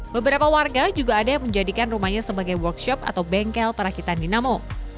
beberapa warga juga ada yang menjadikan rumahnya sebagai workshop atau bengkel perakitan dinamo